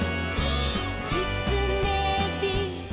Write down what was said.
「きつねび」「」